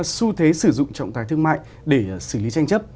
và những su thế sử dụng trọng tài thương mại để xử lý tranh chấp